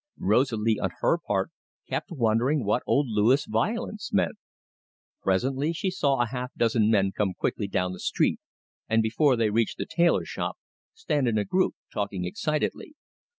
Rosalie, on her part, kept wondering what old Louis' violence meant. Presently she saw a half dozen men come quickly down the street, and, before they reached the tailorshop, stand in a group talking excitedly.